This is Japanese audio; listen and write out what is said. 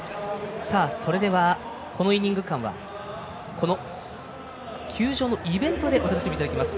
それでは、このイニング間は球場のイベントでお楽しみいただきます。